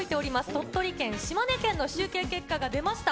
鳥取県、島根県の集計結果が出ました。